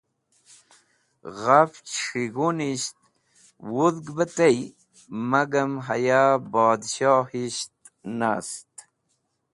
Ghafch s̃hig̃hunisht wudhg bẽ tey magam haya boshoyisht nast.